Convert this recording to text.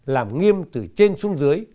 làm nghiêm từ trên xuống dưới